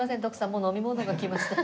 もう飲み物が来ました。